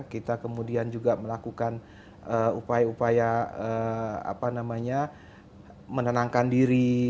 kita kemudian juga melakukan upaya upaya menenangkan diri